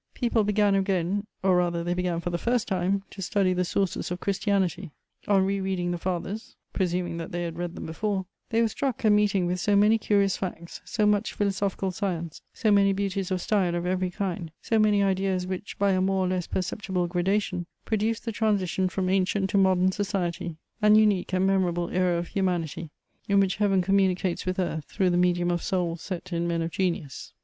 People began again, or rather they began for the first time to study the sources of Christianity; on re reading the Fathers (presuming that they had read them before) they were struck at meeting with so many curious facts, so much philosophical science, so many beauties of style of every kind, so many ideas which, by a more or less perceptible gradation, produced the transition from ancient to modern society: an unique and memorable era of humanity, in which Heaven communicates with earth through the medium of souls set in men of genius.